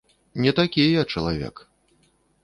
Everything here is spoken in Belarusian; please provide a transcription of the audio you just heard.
Не такі я чалавек.